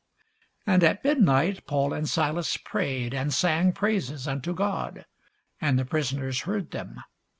And at midnight Paul and Silas prayed, and sang praises unto God: and the prisoners heard them.